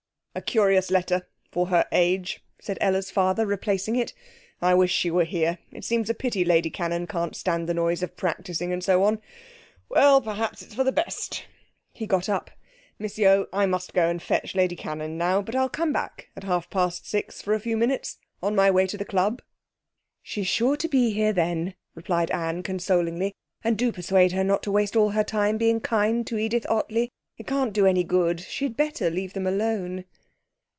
'A curious letter for her age,' said Ella's father, replacing it. 'I wish she were here. It seems a pity Lady Cannon can't stand the noise of practising and so on. Well, perhaps it's for the best.' He got up. 'Miss Yeo, I must go and fetch Lady Cannon now, but I'll come back at half past six for a few minutes on my way to the club.' 'She's sure to be here then,' replied Anne consolingly; 'and do persuade her not to waste all her time being kind to Edith Ottley. It can't do any good. She'd better leave them alone.'